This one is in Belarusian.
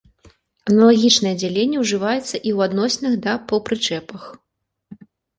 Аналагічнае дзяленне ўжываецца і ў адносінах да паўпрычэпах.